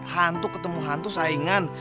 hantu ketemu hantu saingan